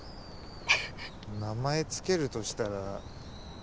名前付けるとしたら？